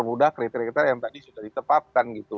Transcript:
dan juga dengan kriteria kriteria yang tadi sudah ditepatkan gitu